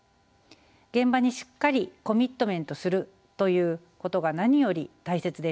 現場にしっかりコミットメントするということが何より大切です。